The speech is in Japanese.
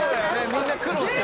みんな苦労して。